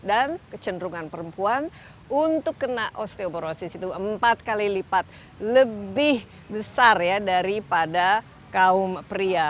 dan kecenderungan perempuan untuk kena osteoporosis itu empat kali lipat lebih besar ya daripada kaum pria